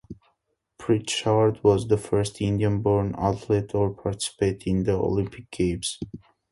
Pritchard was the first Indian-born athlete to participate in the Olympic Games.